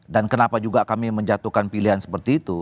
dan kenapa juga kami menjatuhkan pilihan seperti itu